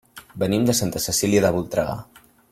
Venim de Santa Cecília de Voltregà.